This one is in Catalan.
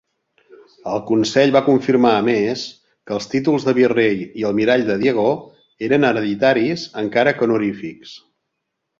El consell va confirmar a més que els títols de virrei i almirall de Diego eren hereditaris, encara que honorífics.